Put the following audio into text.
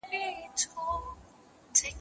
زه به سبا د درسونو يادونه وکړم،